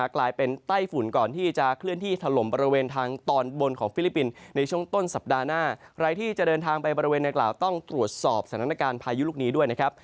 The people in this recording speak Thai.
ใครที่จะเดินทางไปบริเวณนางกล่าวต้องตรวจสอบสถานการณ์พายุลูกนี้ด้วยนะครับ